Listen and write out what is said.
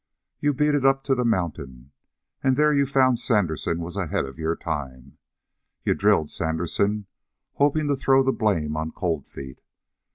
You beat it up to the mountain, and there you found Sandersen was ahead of your time. You drilled Sandersen, hoping to throw the blame on Cold Feet.